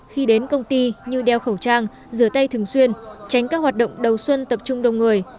khi đến công ty như đeo khẩu trang rửa tay thường xuyên tránh các hoạt động đầu xuân tập trung đông người